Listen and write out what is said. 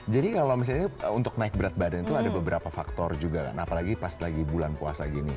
jadi kalau misalnya untuk naik berat badan itu ada beberapa faktor juga kan apalagi pas lagi bulan puasa